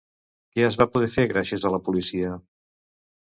Què es va poder fer gràcies a la policia?